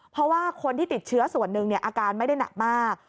เพราะว่าคนที่ติดเชื้อส่วนหนึ่งอาการไม่ได้หนักมาก